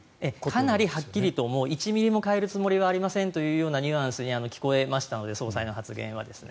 かなりはっきりと１ミリも変えるつもりはありませんというニュアンスに聞こえましたので総裁の発言は。